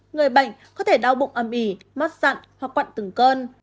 người bệnh có thể đau bụng âm ỉ mất dặn hoặc quặn từng cơn